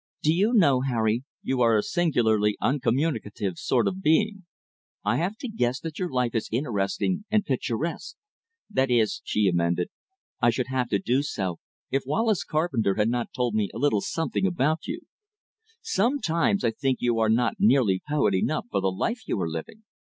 "Do you know, Harry, you are a singularly uncommunicative sort of being. I have to guess that your life is interesting and picturesque, that is," she amended, "I should have to do so if Wallace Carpenter had not told me a little something about it. Sometimes I think you are not nearly poet enough for the life you are living.